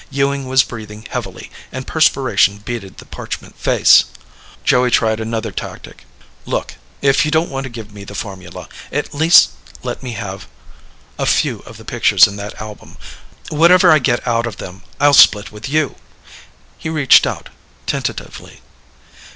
Ewing was breathing heavily and perspiration beaded the parchment face. Joey tried another tactic: "Look ... if you don't want to give me the formula, at least let me have a few of the pictures in that album. Whatever I get out of them, I'll split with you." He reached out tentatively.